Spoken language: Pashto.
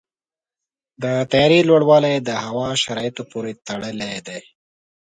د طیارې لوړوالی د هوا شرایطو پورې تړلی دی.